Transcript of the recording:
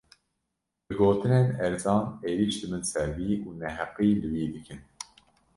Bi gotinên erzan, êrîş dibin ser wî û neheqî li wî dikin